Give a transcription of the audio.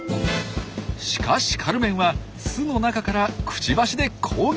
しかしカルメンは巣の中からくちばしで攻撃！